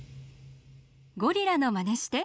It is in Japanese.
ゴリラのまねして。